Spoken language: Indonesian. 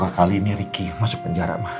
semoga kali ini riki masuk penjara ma